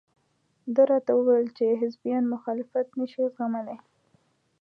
ده راته وویل چې حزبیان مخالفت نشي زغملى.